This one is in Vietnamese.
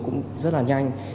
xuống cũng rất là nhanh